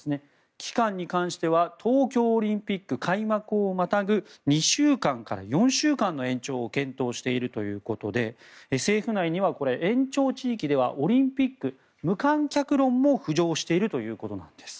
期間に関しては東京オリンピック開幕をまたぐ２週間から４週間の延長を検討しているということで政府内には延長地域ではオリンピック無観客論も浮上しているということなんです。